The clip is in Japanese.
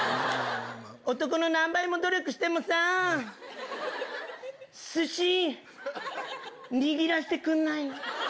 男の何倍も努力してもさ、すし、握らせてくんないの。